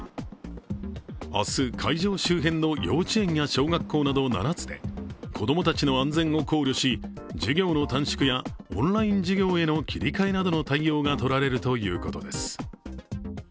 明日、会場周辺の幼稚園や小学校など７つで子供たちの安全を考慮し授業の短縮やオンライン授業への切り替えなどの対応が取られるということです。